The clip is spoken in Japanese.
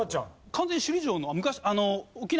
完全に首里城の。